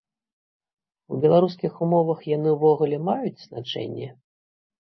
У беларускіх умовах яны ўвогуле маюць значэнне?